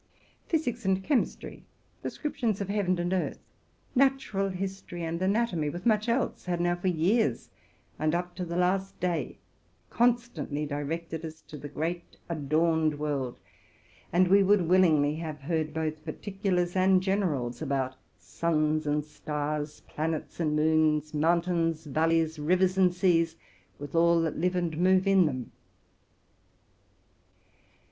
Physics and chemistry, descriptions of heaven and earth, natural history and anatomy, with much else, had now for years, and up to the last day, constantly directed us to the great, adorned world ; and we would willingly have heard both particulars and generals about suns and stars, planets and moons, mountains, valleys, rivers and seas, with all that live und move in them.